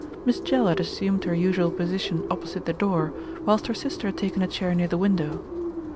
Miss Jell had assumed her usual position opposite the door, whilst her sister had taken a chair near the window.